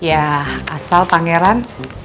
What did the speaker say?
ya asal pangeran